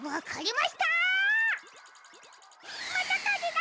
またかぜだ！